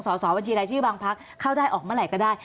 สอสวบัญชีรายชีวิตบางพรรคเข้าได้ออกเมื่อไรก็ได้